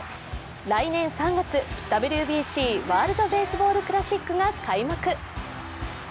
来年３月、ＷＢＣ＝ワールド・ベースボール・クラシックが開幕。